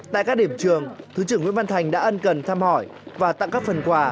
tại các điểm trường thứ trưởng nguyễn văn thành đã ân cần thăm hỏi và tặng các phần quà